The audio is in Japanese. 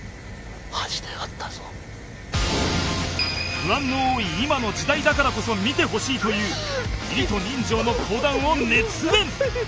不安の多い今の時代だからこそ見てほしいという義理と人情の講談を熱演！